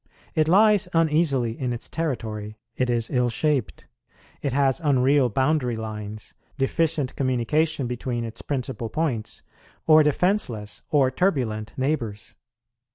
It lies uneasily in its territory, it is ill shaped, it has unreal boundary lines, deficient communication between its principal points, or defenceless or turbulent neighbours.